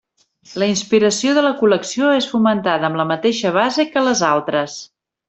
La inspiració de la col·lecció és fomentada amb la mateixa base que les altres.